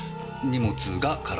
荷物が空？